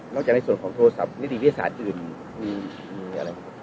จากในส่วนของโทรศัพท์นิติวิทยาศาสตร์อื่นมีอะไร